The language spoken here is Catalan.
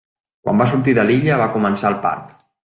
Quan va sortir de l'illa, va començar el part.